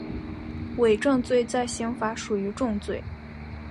伪证罪在刑法属于重罪。